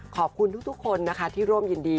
ขอบคุณทุกคนนะคะที่ร่วมยินดี